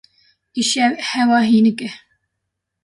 Îşev hewa hênik e.